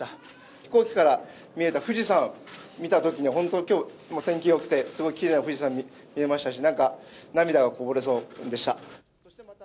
飛行機から見えた富士山を見たときに、本当、きょう、天気よくて、すごいきれいな富士山見れましたし、なんか涙がこぼれそうでした。